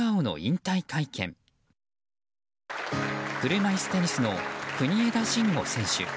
車いすテニスの国枝慎吾選手。